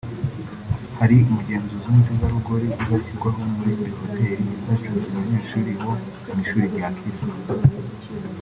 Hari umugenzuzi w’umutegarugori uzashyirwaho muri buri hoteli izacumbikira abanyeshuri bo mu ishuri rya Akilah